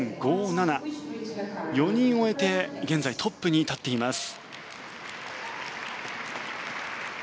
４人終えて現在トップに立っています。